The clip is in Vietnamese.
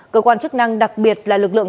cơ quan chức năng đặc biệt là lực lượng